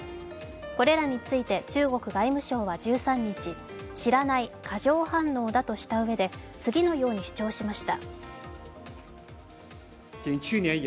これらについて中国外務省は１３日、知らない、過剰反応だとしたうえで次のように主張しました。